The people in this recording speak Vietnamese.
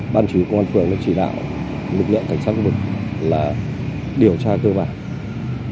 bản chí của công an phường đã chỉ đạo lực lượng cảnh sát của mình là điều tra cơ bản